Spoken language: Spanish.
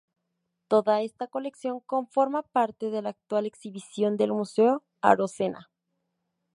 Toda esta colección conforma parte de la actual exhibición del Museo Arocena.